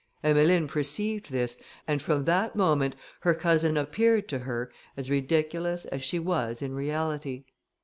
Emmeline perceived this, and from that moment her cousin appeared to her as ridiculous as she was in reality.